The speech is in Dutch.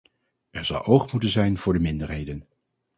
Er zal oog moeten zijn voor de minderheden.